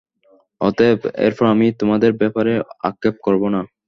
অতএব, এরপর আমি তোমাদের ব্যাপারে আক্ষেপ করব না।